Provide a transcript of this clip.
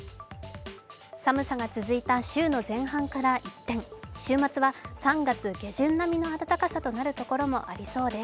寒さが続いた週の前半から一転、週末は３月下旬並みの暖かさとなるところもありそうです。